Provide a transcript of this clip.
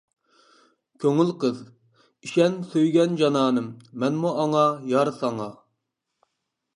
كۆڭۈل قىز :ئىشەن سۆيگەن جانانىم، مەنمۇ ئاڭا يار ساڭا.